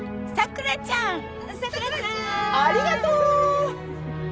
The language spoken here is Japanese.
ありがとう！